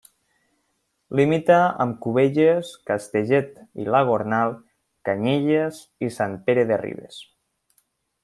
Limita amb Cubelles, Castellet i la Gornal, Canyelles i Sant Pere de Ribes.